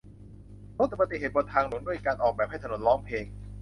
ลดอุบัติเหตุบนทางหลวงด้วยการออกแบบให้ถนนร้องเพลง